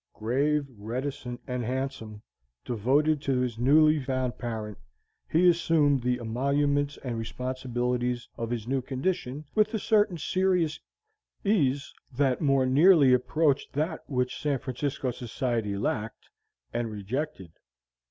Grave, reticent, and handsome, devoted to his newly found parent, he assumed the emoluments and responsibilities of his new condition with a certain serious ease that more nearly approached that which San Francisco society lacked, and rejected.